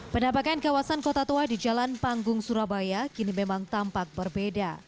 penampakan kawasan kota tua di jalan panggung surabaya kini memang tampak berbeda